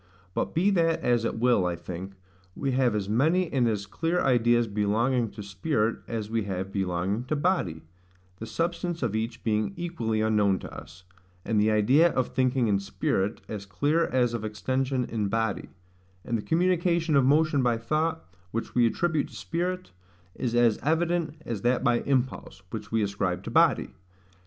But be that as it will, I think, we have as many and as clear ideas belonging to spirit as we have belonging to body, the substance of each being equally unknown to us; and the idea of thinking in spirit, as clear as of extension in body; and the communication of motion by thought, which we attribute to spirit, is as evident as that by impulse, which we ascribe to body.